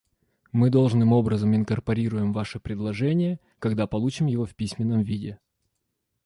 Мы должным образом инкорпорируем ваше предложение, когда получим его в письменном виде.